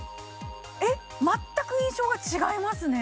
えっ、全く印象が違いますね。